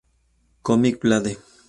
Comic Blade